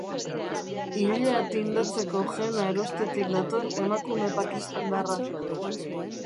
Ilea tindatzeko henna erostetik dator emakume pakistandarra.